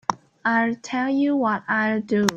I'll tell you what I'll do.